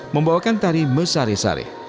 membawakan tari mesari sari